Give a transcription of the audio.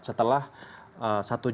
setelah satu juta ktp ini mungkin